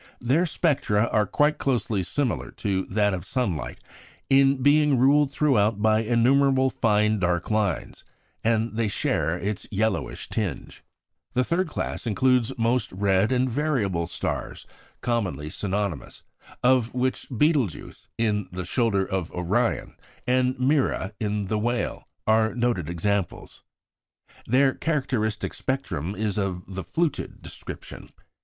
Their spectra are quite closely similar to that of sunlight, in being ruled throughout by innumerable fine dark lines; and they share its yellowish tinge. The third class includes most red and variable stars (commonly synonymous), of which Betelgeux in the shoulder of Orion, and "Mira" in the Whale, are noted examples. Their characteristic spectrum is of the "fluted" description.